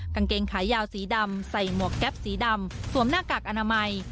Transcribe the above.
กางเกงขายาวสีดำใส่หมวกแก๊ปสีดำสวมหน้ากากอนามัย